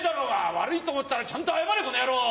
悪いと思ったらちゃんと謝れこの野郎！